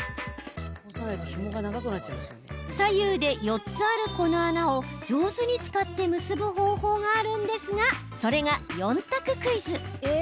左右で４つあるこの穴を上手に使って結ぶ方法があるんですがそれが４択クイズ。